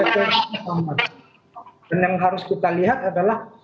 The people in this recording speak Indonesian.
dan yang harus kita lihat adalah